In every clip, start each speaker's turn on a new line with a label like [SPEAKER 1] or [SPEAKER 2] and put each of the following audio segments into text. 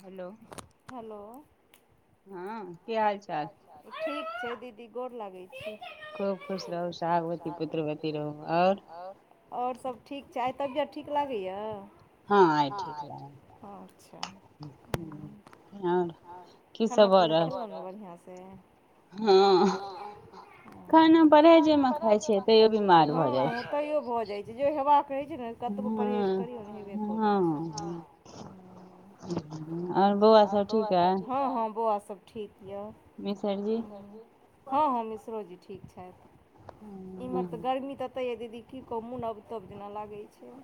[SPEAKER 1] Hello! हँ, कि हाल चाल?
[SPEAKER 2] [inaudible] ठीक छै, दीदी गोर लागे छी। [unintelligible] सोहागबती, पुत्रबती रहु, और। आओर सब ठीक छै, आइ तबियत ठीक लागैए।
[SPEAKER 1] हँ, आय ठीक लागै य, आओर। की सब भ रहल छै।
[SPEAKER 2] इहाँ से। ह। तैयो भऽ जाइ छै, जे हेबाक रहै छै ने। कतबो परहेज करियौ ने अनेरे भ जाय छै, हँ।
[SPEAKER 1] अओर बौआ सब ठीक अय।
[SPEAKER 2] हँ हँ बौआ सब ठीक यऽ
[SPEAKER 1] मिसरजी
[SPEAKER 2] हँ हँ मिश्रोजी ठीक छैथ।
[SPEAKER 1] [inaudible]
[SPEAKER 2] इम्हर तऽ गर्मी ततेयऽ दीदी की कउ मुन अब तब जेना लागैय छैय।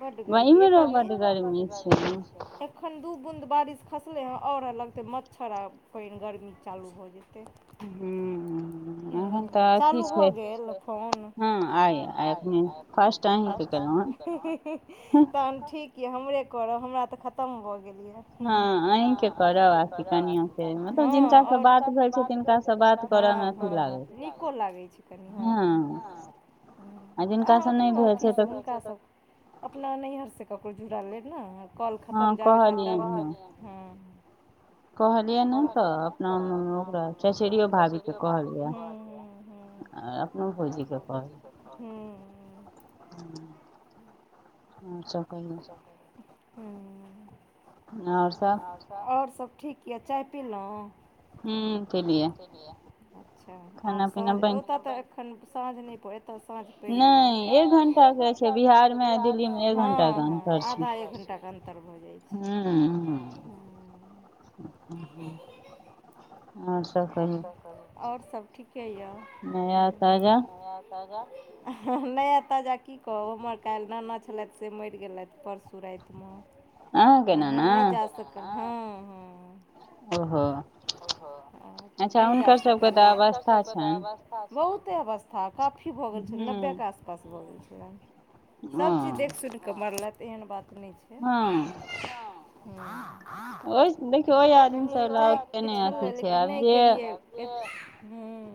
[SPEAKER 2] बड गरमी [unintelligible] एखन दू बूंद बारिश खसले हे और लगते मच्छर आ पानि गर्मी चालू होय [unintelligible]
[SPEAKER 1] उम्म।
[SPEAKER 2] ह्म्म चालू भऽ गेल फोन--हँ आय आय [inaudible] हीं हीं हीं तहन ठीक यऽ हमरे करब हमरा तऽ खतम भऽ गेल यऽ [inaudible] हँ और हँ हँ नीको लागैय छै कनि हँ अहाँ अपनो अथी से हुनकासभ अपना नैहर से ककरो जुड़ा लेब ने कॉल खतम जाबैत हेत ताबैत [inaudible] उम्म [unintelligible] उम्म।
[SPEAKER 1] हँ सब [unintelligible]
[SPEAKER 2] उम्म।
[SPEAKER 1] आर सब
[SPEAKER 2] आओर सभ ठीक यऽ चाय पीलौं अच्छा आब साँझ ओत तऽ एखन साँझ नहि प एत साँझ पड़ि गेल आब हँ आधा एक घण्टा के अन्तर भऽ जाय छै
[SPEAKER 1] [inaudible]
[SPEAKER 2] आओर सब ठीके यऽ। नया ताजा की कहब हमर काल्हि नाना छलथि से मरि गेलथि परसू राति तऽ हम नैय जा सकब हम्म हम्म
[SPEAKER 1] ओहो
[SPEAKER 2] नैय जा सकलियै बहुते अवस्था भऽ गेल छलैन नब्बे के आसपास भऽ गेल छलैन सब चीज देख सुनि क मरलक तऽ एहन बात नहि छै। [unintelligible] कीछ छलै लेकिन नैय गेलियै हम्म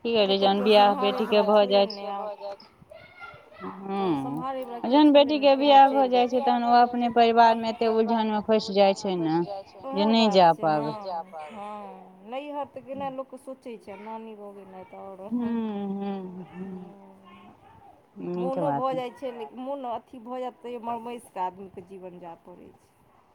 [SPEAKER 1] की करबै जहन बियाह बेटी के भऽ जाय छै
[SPEAKER 2] [inaudible] तऽ सम्हारैवला केओ छलैय नैे [inaudible] वएह बात छै हँ हँ नैहर तऽ केना लोक सोचैय छैय नानी भोग आओर हम्म मोनो भऽ जाय छै छै लेकिन मोन अथी भऽ जयत तैयो मरमैस कऽ आदमी के जीवन जाय पड़ैय छै। [inaudible] [unintelligible] [unintelligible]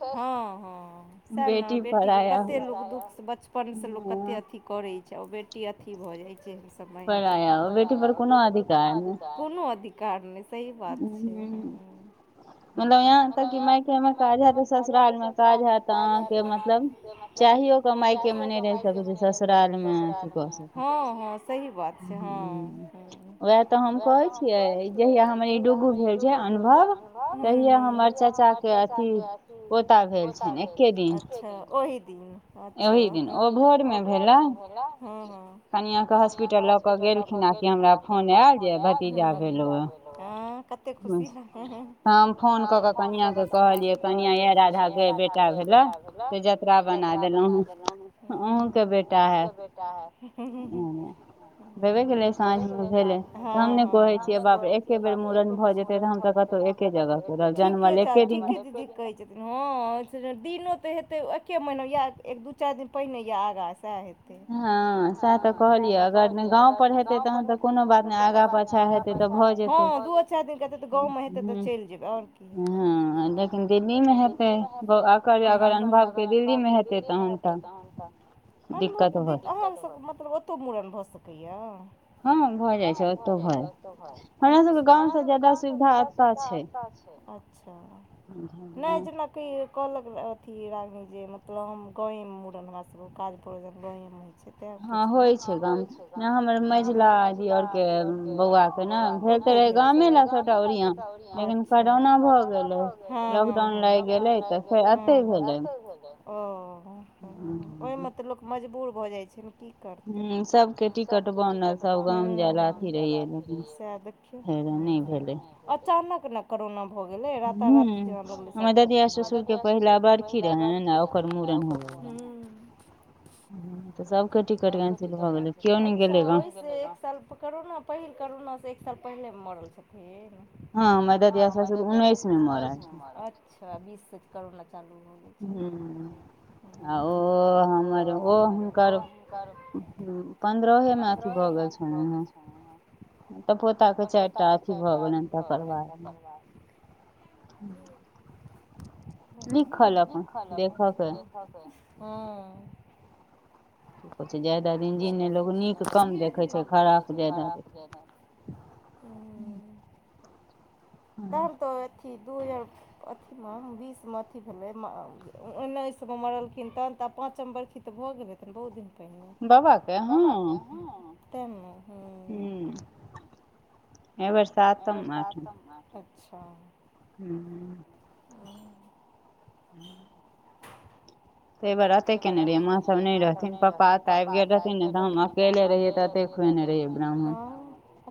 [SPEAKER 2] हँ-हँ, सैह न बेटीके कतेक लोक दुःख सं बच पन सं लोक कते अथी करै छै आ ओ बेटी अथी भ जाइ छै [unintelligible] पराया, ओइ बेटी पर कोनो अधिकार नै, कोनो अधिकार नै सही बात छै हुं [inaudible] माइटोमे ताजा [unintelligible] जे मतलब चाहियोक माइकेमे नै रहि सकै छै ससुरालमे हं-हं सही बात छै हं-हं, वैह त हम कहै छी
[SPEAKER 1] जहिया अहाँ
[SPEAKER 2] जहिया हमर ई डुग्गू भेल छै अनुभव, हुं-हुं तहिया हमर चच्चा के [inaudible] पोता भेल छनि, अच्छा ओही दिन अच्छा, ओही दिन ओ भोरमे भेलै, हुं-हुं कनियांके हास द ओ भर मे भेल हास पिटल ल क गेलखिन आ कि हमरा फोन आएल जे भतीजा भेल। ऐं कते खुशी लाग, [inaudible] तहन फोन क क कनियांके कहलियै कनियां यै राधाके बेटा भेलै, से जतरा बना देलौं, अहुंके बेटा हैत। हुं-हुं-हुं [unintelligible] भेबे केलै सांझमे, हं-हं सै संगे पढ़ै छै रे बाप एके बेर मूड़न भ जेतै त हम त कतौ एके जगह जेबै। ठीके चा ठीके के कहै छथिन। हँ से दिनो त हेतै एके महीना या एक दू चारि दिन पहिने या आगा सैह हेत
[SPEAKER 1] हँ सैह त कहलियै अगर गाँव पर हेतै तहन त कोनो बात नै आंगा पांछा हेतै त भ जे हेतै [inaudible] हुं [inaudible] हं लेकिन दिल्लीमे हे तै ग, अकर अगर अनुभवके दिल्लीमे हेतै तहन त [inaudible] दिक्कत
[SPEAKER 2] त दिक अहाँ सबके मतलब ओतौ मूड़न भ सकैअ [inaudible] हँ भ जाइ छै, ओतौ भ जाइ अच्छा, हमरा सबके गाँव सं जादा सुबिधा अत छै, अच्छा [inaudible] नै जेन त क ई कहलक अथी राघब जे मतलब हम गांवेमे मुड़न, हमरा सबके काज परोजन गाँवेमे होइ छै। तें पुछलौं, हं होइ छै गाममे, एं हमर मझिला दीअरके बौआ भेल छलै गामेमे सबटा ओरिआओन, तखन करोना भ गेलै। हं-हं-हं लॉकडाउन लागि गेलै त फेर अतै [unintelligible] ओ [inaudible] ओइमे त लोग मजबूर भ जाइ छै न की करतै। [inaudible] हुं सबके टिकट बनल सब गाम जाइला रहिअइ। सैह देख [inaudible] अचानक न करोना भ गेलै। राता राती जेना लगलै सबके अथी भ गेल। हमरा ददिया ससुरके पहिला बरखी रहनि आ ओकर हुं
[SPEAKER 1] [inaudible] त सबके टिकट कैंसिल भ गेलै किओ नै गेलै गाम।
[SPEAKER 2] से एक साल करोना पहिल करोना सं एक साल पहिले मरल छथिन? [inaudible] हँ हमर ददिया ससुर उन्नैस मे मरल, अच्छा बीस सं करोना चालु भ
[SPEAKER 1] हुं [inaudible] [inaudible] आ ओ हमर ओ हुनकर [inaudible] हुं पन्द्रहे मे अथी भ गेल छलैनहें त पोताके चारि टा अथी भ गेलनि तकर बादमे [inaudible]
[SPEAKER 2] [unintelligible] लिखल अपन देखके, हुं
[SPEAKER 1] कहै छै ज्यादा दिन जिने लोक नीक कम देखै छै खराब ज्यादा देखै ह [inaudible]
[SPEAKER 2] ह [inaudible] तखन तऽ अथि दुइ हजार अथिमे बीसमे अथि भेलै उन्नैस मे मरलखिन तखन त पाँचम बरखी त भऽ गेल हेतैन बहुत दिन बे त [unintelligible]
[SPEAKER 1] हुं, एऐ बेर
[SPEAKER 2] ऐबेर सातम हैत, अच्छा।
[SPEAKER 1] हूं।
[SPEAKER 2] हुं। एऐ बेर अतै केने रहियै, माँ सब नै रहथिन, पप्पा एतझ आबि गेल रहथिन नै तऽ हम अकेले रहियै। हँ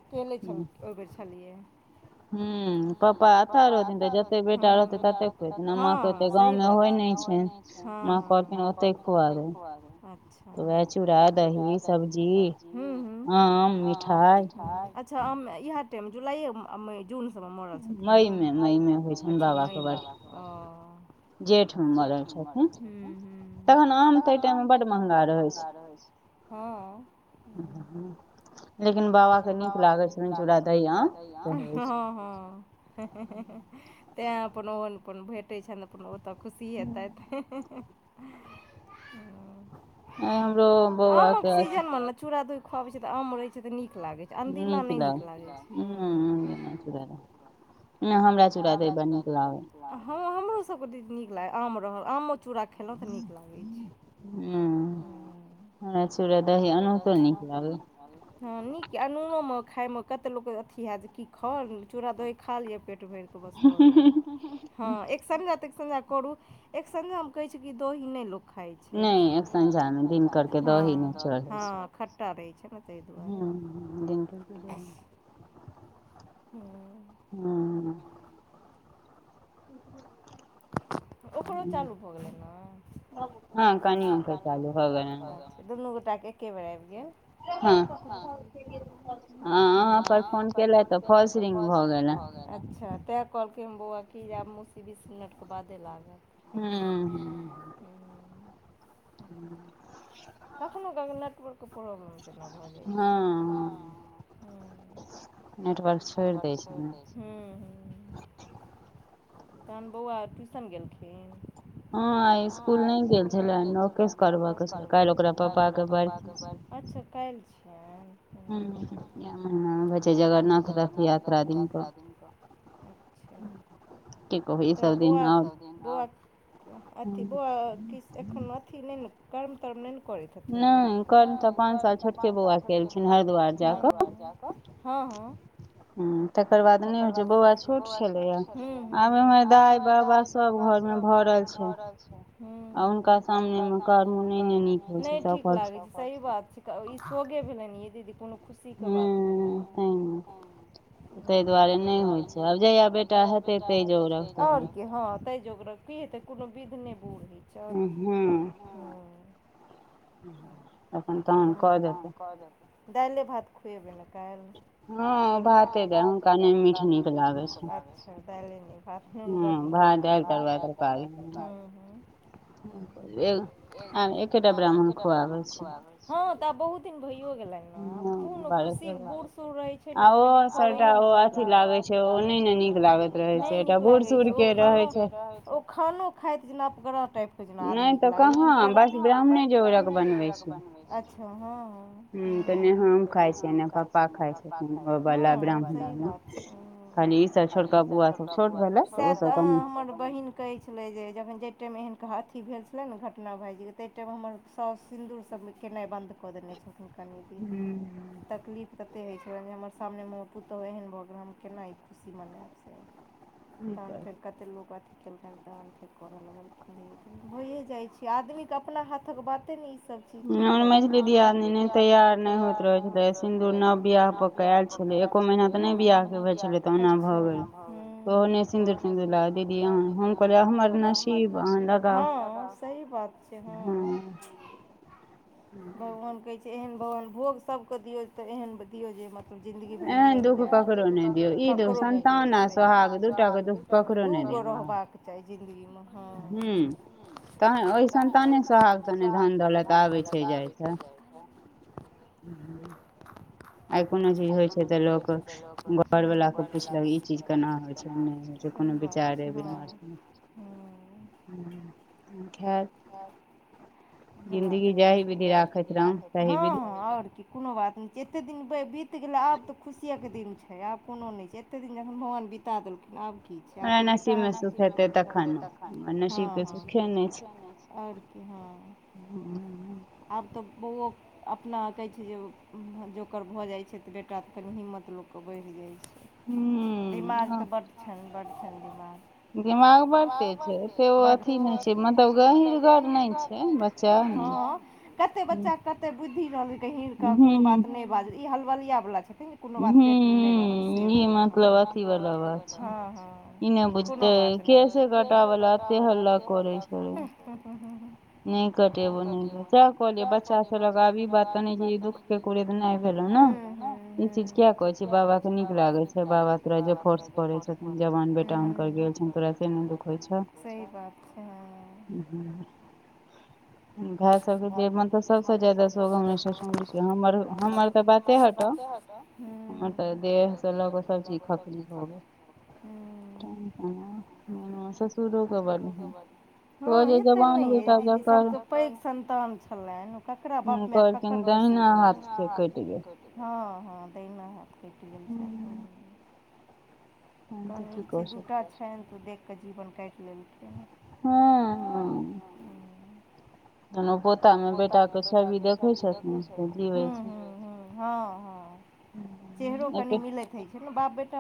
[SPEAKER 2] अकेले छल ओहि बेर छलियै। हं पप्पा अतऽ रहथिन, त दु तीन गोटा रहतै तखैन ने, गाम मे त रहियै नै। तैं ओतै खुआ देखिये, वैह चूड़ा, दही, सब्जी
[SPEAKER 1] आम मिठाई।
[SPEAKER 2] अच्छा आम में इएह टाइम जुलाईये मई, जून में मरल छथिन, मई में, मई में, अच्छा मई में ओ जेठ मे मरल छथिन, हं-हं। हूं तखैन आम तऽ ओइ टाइम में बड्ड मंहगा रहै छै, हँ। लेकिन बाबा के नीक लागै छलैन चूरा, दही, आम हं-हं-हँ। तैँ अपन ओहन अपन भेटै छैन। अपन ओतऽ खुशी हेतैथ हँ। आमक सीजन में तऽ चूड़ा दही खुआबै छै तऽ आम रहै छै तऽ नीक लागै छै। अनदीना नै नीक लागै छै, हूँ।
[SPEAKER 1] चूरे दही [unintelligible]
[SPEAKER 2] नै हमरा सबके चूड़ा दही बड़ नीक लगैये, हँ हमरो सब के नीक लागल, आम रहल चूड़ा खेलौं तऽ नीक लागै छै, हँ।
[SPEAKER 1] हमरा चूड़ा दही अनाहितो नीक लागैये।
[SPEAKER 2] हँ नीक अनूनो मं खाइ में कत्ते लोक के अथि हैत की खाउ, चूड़ा दही खा लियऽ पेट ट भैर कऽ बस भऽ गेलै, हँ एक संगत कतेक संगे करू, एक संझा में कहै छै कि दही नै, लोक खाइ छै, नै एकसंझा में नै सबके दही खाई छै, हँ। खट्टा रहै छै नऽ तय दुआरे। हूं।
[SPEAKER 1] हुं।
[SPEAKER 2] ओकरो चालू भऽ गेलै ने, हँ कनियो के चालू भऽ गेलै। दुनू गोटा के एके बेर ऐब गेल। हँ अहाँ पर फोन केलक तऽ फॉल्स रिंग भऽ गेल अच्छा तैं कहलखिन बौआ की जे आब मौसी के बीस मिनट के बादे लागत।
[SPEAKER 1] हुं। हूँ
[SPEAKER 2] कखनो कखनो कऽ नेटवर्क के प्रॉब्लम जेना भऽ जाइ छै, हाँ।
[SPEAKER 1] नेटवर्क।
[SPEAKER 2] नेटवर्क छोइड़ दै छै। हूं हूं, तखन बौआ आर ट्यूशन गेलखिन। हँ आइ इस्कूल नै गेल छलैये, नौकेश करबऽ के छलै, काल्हि ओकरा पप्पा के बर अच्छा कैल छी।
[SPEAKER 1] हं इहै महीनामे होइ छै जगरनाथ रथ यात्रा दिन क। हूं
[SPEAKER 2] त बौआ, बौआ अथी बौआ कि एखन अथी नै न कर्म तर्म नै न करैत हेथिन। नै कर्म त पाँच साल छोटके बौआ केलखिन हरिद्वार जाकऽ। हँ -हँ तकर बाद नै होय छै बौआ छोट छथिन न। आब अयमे दाय बाबा सब घरमे भरल छैय आ हुनका सामने में कर्म
[SPEAKER 1] [unintelligible]
[SPEAKER 2] सही बात छैय त इ सोगे भेलै ने यै दीदी कोनो खुशीके बात भेल, हँ। हँ तय दुआरे नै होइ छैय आब जहिया बेटा हेतै तहिये और की। हँ तय जोगरक, की हेतै कोनो विध नै बूढ़ होइ छैय।
[SPEAKER 1] ह हू।
[SPEAKER 2] दाइले भात खुएबै ना काइल। हँ भाते हुनका नै मीठ नीक लागै छैय। नूनगर नीक लाग छैन। हँ भात, दाइल, तरूआ, तरकारी।
[SPEAKER 1] ए आ एकेटा ब्राह्मण खुआबै छी।
[SPEAKER 2] हँ त बहुत दिन भैयो गेलैन। कोनो खुशीके बूढ़ सूढ़ रहै छैय ने त कनि करैमे नीक लाग नय ननीक लागे छैय ओ खानो खानो खाइत जेना अप ग्रह टाइप [unintelligible] आदमी के नीक लागबे नै करतै। अच्छा हँ -हँ सही बात। सएह त अहाँ हमर बहिन कहै छलै जे जखन जय टाइममे एहन अथी भेल छलै ने घटना भाइजीके तय टाइम हमर साउ सिन्दूर सब केनाई बन्द क देने छलखिन कनी दिन। तकलीफ तते होइ छलैन जे हमर सामने म हमर पुतहु एहेन भ गेल हम केना इ खुशी मनैब से। तहैन फेर कते लोग अथी केलकैन तहैन फेर कऽरऽ लगलखिन। भैयै जाइ छैय आदमीके अपना हाथक बाते नै इ सब छैय। की करतै। हमर मैझली दियादनी तैयार नै होइत रहै छैय सिन्दूर नाम बियाह कऽ के आयल छलै एको महीना त नै बियाहके भेल छलै। त ओहो नै सिन्दुर तिन्दुर डाल दीदी अहाँ हम कहलियए आब हमर नसीब। सही बात छैय हँ। भगवान कहै छियै एहन भगवान भोग सभकेँ दियौ त एहन दियौ जे मत जिन्दगी भइर निमहि जाए। एहन दुख ककरो नै, ककरौ नै दियौ संतान आ सोहाग दू गो रहबाक चाही जिन्दगीमे हँ।
[SPEAKER 1] त ओहि संन्ताने सोहाग स ने धन दौलत आबय छैय। कि जाइछै, आइ कोनो चीज होय लोक घर वला के पुछलक इ चीज केना होय छैय नै होय छैय कोनो विचारे विमर्शे। खैर
[SPEAKER 2] कोनो बात नै छैय। हँ- हँ आओर की। कोनो बात नै जेतेक दिन ब बीत गेलै आब त खुशियेके दिन छैय आब कोनो नै छैय एतेक दिन जखन भगवान बिता देलखिन आब की। आब त बेटा [unintelligible] तखन हेतै, हँ हँ। और कि हँ आब त बौवो अपना कहै छै जे ओ जोकर भऽ जाइ छै त बेटा त कनि हिम्मत लोक क बैढ़ जाइ छै।
[SPEAKER 1] हूॅं।
[SPEAKER 2] दिमाग तऽ बड्ड छनि बड्ड छनि दिमाग। दिमाग बड़ तेज छै ओ अथी नै छै मतलब गहींरगर नै छै। हँअ कत्ते बच्चाक कत्ते बुद्धि रहल गहींरका कोनो बात नै नै बाजत इ हलबलिया बला छथिन। कोनो बात पेटमे नै रहल से बला हॅं हँ। कोनो बात नै केसे कटाबऽ ले अत्ते हल्ला करै नै कटेबनि तें कहलियै बच्चा स लगाबी इ बात त नै कि [unintelligible] ई चीज कियेए कहै छियै बाबा क नीक लागै छै बाबा तोरा जे [unintelligible] सही बात छै हॅं।
[SPEAKER 1] ह हू भेए सबके जे मनतऽ सब स ज्यादा शौख हमरे ससुरके हम्मर हम्मर त बाते हटाउ। हमर त देह से ल‌‌ऽ कऽ सब चीज खखरी भऽ गेल। ससुरोे के बड्ड रहैन। कहलियै जबान बेटा जकर
[SPEAKER 2] पैघ सन्तान छलैन ओ ककरा बाप मेए ककर खुशी रहै। हॅं हॅं दहिना हाथ कैट गेल छैन हुँ। तहन इ छै दू टा छनि तऽ देख कऽ जीवन काटि लेलखिन हें।
[SPEAKER 1] हॅं हॅं। तहन ओ पोता मे बेटा क छवि देखै छथिन त जीवै छै।
[SPEAKER 2] हॅं हॅं चेहरो कनी मिलैत हइ छै ने बाप बेटा में।